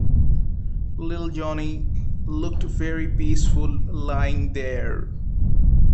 Little Johnnie looked very peaceful lying there.